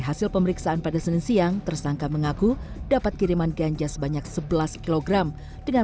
hasil pemeriksaan pada senin siang tersangka mengaku dapat kiriman ganja sebanyak sebelas kg dengan